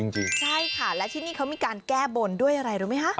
จริงใช่ค่ะและที่นี่เขามีการแก้บนด้วยอะไรรู้ไหมคะ